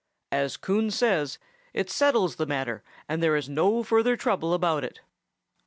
As Coon says, it settles the matter, and there is no further trouble about it.